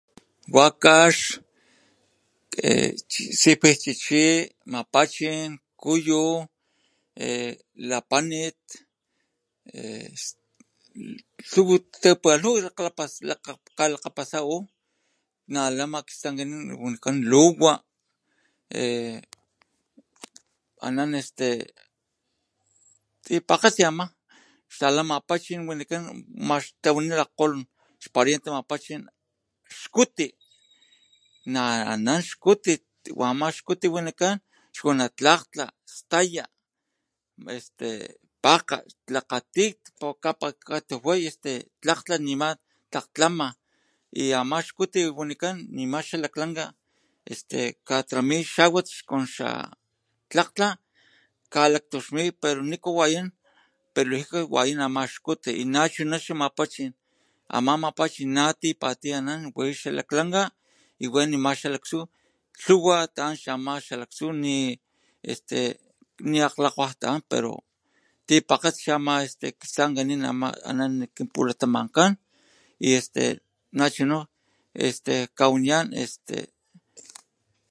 Wakax sipijchichi mapachin kuyu eh lapanit este tipalhuwa pasa kalakgapasa nalama kistankanin wanikan luwa ana este tipakgatsi ama xtala mapachin wanikan max tawani lakgolon pariente mapachin xkuti n ana xkuti wa ama xkutiwanikan xwana tlakgtla staya este pakga kalakgati katujwa tlakgtla nema tlakgkgama y ama xkuti wanikan nima xalaklankan katrami xawat con xa tlakgtla kalaktuxmi pero niku wayan lijikua wayan xkuti nachuna xamapachin ama mapachin natipatiy ana na wi xalaklanka wi nama xalaktsu lhuwa nama taan xalaktsu nilakg wakg taan pero este tipkatsi chi ama este kistankanin ana kinpultamanjan y este nachuna kawaniyan este